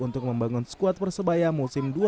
untuk membangun skuad persebaya musim dua ribu tujuh belas